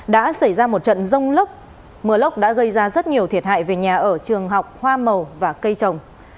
đã xảy ra một trận rông lốc mưa lốc đã gây ra rất nhiều thiệt hại về nhà ở trường học hoa màu và cây trồng